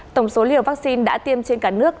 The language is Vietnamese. tổng số liều vaccine đã đạt được